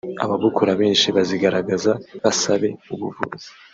ababukora benshi bazigaragaza basabe ubuvuzi